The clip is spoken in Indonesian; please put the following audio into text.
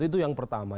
itu yang pertama